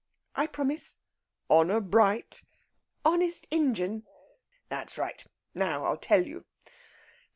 "I promise." "Honour bright?" "Honest Injun!" "That's right. Now I'll tell you.